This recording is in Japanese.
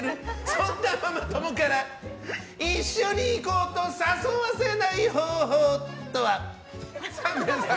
そんなママ友から一緒に行こうと誘わせない方法とは？